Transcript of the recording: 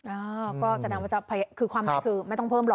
อ้าวก็จะแนะนำว่าจะเพิ่มคือความหนักคือไม่ต้องเพิ่มหรอก